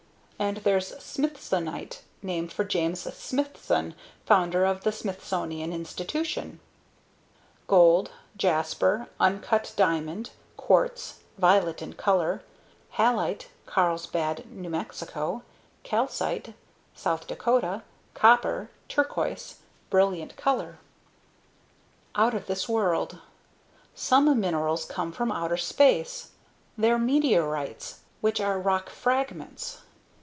And there's smithsonite, named for James Smithson, founder of the Smithsonian Institution. [figure captions] Gold, jasper, uncut diamond, quartz (violet in color), halite (Carlsbad N.M.), calcite (S. Dakota), copper, turquoise (brilliant color) Out Of This World Some minerals come from outer space. They're meteorites, which are rock fragments.